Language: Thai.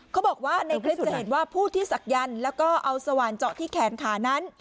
เขาบอกว่าในคลิปจะเห็นว่าผู้ที่ศักยันต์แล้วก็เอาสว่านเจาะที่แขนขานั้น